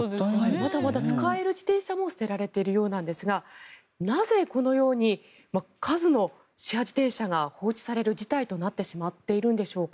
まだまだ使える自転車も捨てられているようなんですがなぜ、このようにこのような数のシェア自転車が放置される事態になっているのでしょうか。